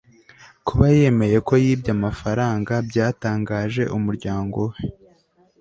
kuba yemeye ko yibye amafaranga byatangaje umuryango we